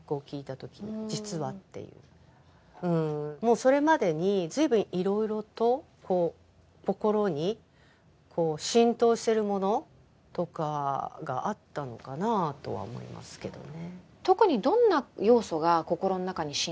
それまでにずいぶんいろいろと心に浸透してるものとかがあったのかなとは思いますけどね。